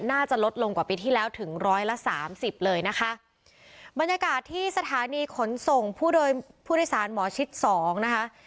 น่าจะลดลงกว่าปีที่แล้วถึงร้อยละสามสิบเลยนะคะบรรยากาศที่สถานีขนส่งผู้โดยสารหมอชิดสองนะคะ